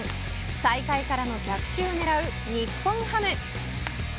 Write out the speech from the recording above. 最下位からの逆襲を狙う日本ハム。